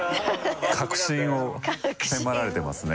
核心を迫られてますね。